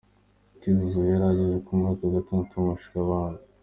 Cyuzuzo yari ageze mu mwaka wa gatandatu w’amashuri abanza.